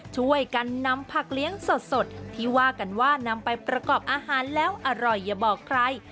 ช่วยกันนำผักเลี้ยงสดที่ว่ากันว่านำไปประกอบอาหารแล้วอร่อยอย่าบอกใคร